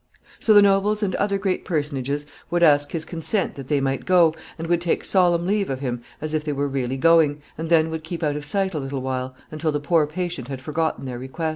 So the nobles and other great personages would ask his consent that they might go, and would take solemn leave of him as if they were really going, and then would keep out of sight a little while, until the poor patient had forgotten their request.